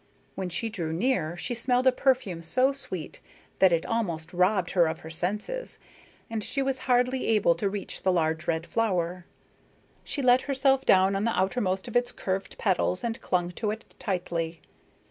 When she drew near she smelled a perfume so sweet that it almost robbed her of her senses, and she was hardly able to reach the large red flower. She let herself down on the outermost of its curved petals and clung to it tightly.